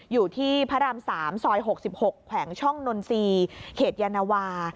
อยู่ที่พระราม๓ซอย๖๖แขวงช่องนนทรีย์เขตยานวา